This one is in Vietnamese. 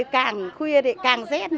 càng khuya thì càng rét